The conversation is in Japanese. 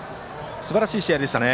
すばらしい試合でしたね。